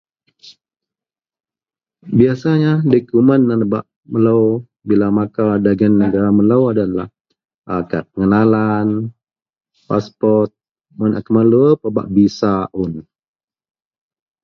Biasanya dokumen wak nebak melou dagen negara melou yenlah kad pengenalan, paspot mun a kuman luwer pebak visa